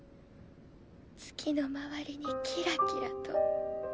月の周りにキラキラと。